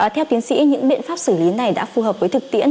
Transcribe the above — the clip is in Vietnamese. theo tiến sĩ những biện pháp xử lý này đã phù hợp với thực tiễn